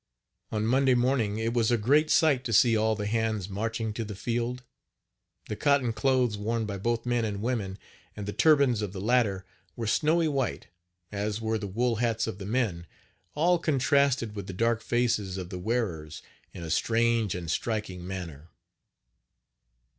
On Monday morning it was a great sight to see all the hands marching to Page 43 the field. The cotton clothes worn by both men and women, and the turbans of the latter, were snowy white, as were the wool hats of the men all contrasted with the dark faces of the wearers in a strange and striking manner.